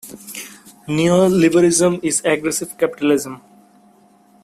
Neo-Liberalism is aggressive Capitalism.